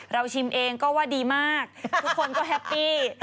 ชิมเองก็ว่าดีมากทุกคนก็แฮปปี้